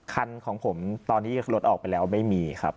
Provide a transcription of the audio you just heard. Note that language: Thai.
ของผมตอนที่รถออกไปแล้วไม่มีครับ